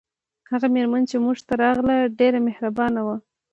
هغه میرمن چې موږ ته راغله ډیره مهربانه وه